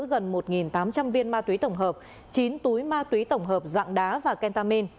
gần một tám trăm linh viên ma túy tổng hợp chín túi ma túy tổng hợp dạng đá và kentamin